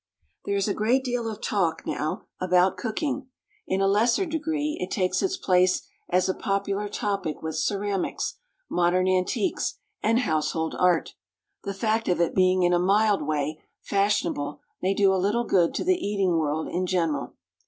There is a great deal of talk just now about cooking; in a lesser degree it takes its place as a popular topic with ceramics, modern antiques, and household art. The fact of it being in a mild way fashionable may do a little good to the eating world in general.